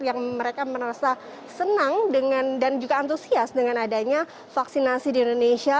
yang mereka merasa senang dan juga antusias dengan adanya vaksinasi di indonesia